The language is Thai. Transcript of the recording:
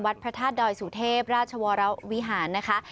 พระธาตุดอยสุเทพราชวรวิหารนะคะ